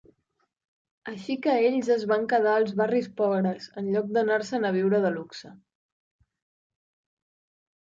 Així que ells es van quedar als barris pobres, en lloc d'anar-se'n a viure de luxe.